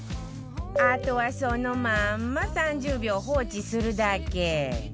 あとはそのまんま３０秒放置するだけ